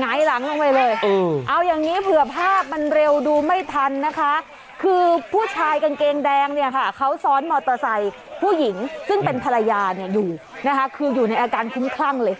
หงายหลังลงไปเลยเอาอย่างนี้เผื่อภาพมันเร็วดูไม่ทันนะคะคือผู้ชายกางเกงแดงเนี่ยค่ะเขาซ้อนมอเตอร์ไซค์ผู้หญิงซึ่งเป็นภรรยาอยู่นะคะคืออยู่ในอาการคุ้มคลั่งเลย